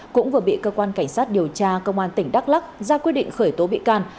cũng vừa bị cơ quan cảnh sát điều tra công an tỉnh đắk lắc ra quyết định khởi tố bị can